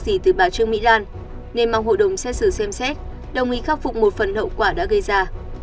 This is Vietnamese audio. gì từ bà trương mỹ lan nên mong hội đồng xét xử xem xét đồng ý khắc phục một phần hậu quả đã gây ra